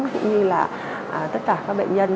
cũng như là tất cả các bệnh nhân